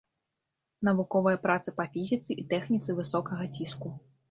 Навуковыя працы па фізіцы і тэхніцы высокага ціску.